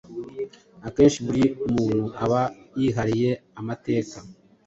Akenshi buri muntu aba yihariye amateka